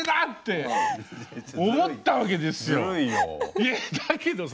いやだけどさ。